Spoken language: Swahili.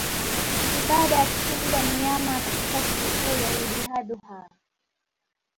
ibada ya kuchinja mnyama katika sikukuu ya Idi Adhu ha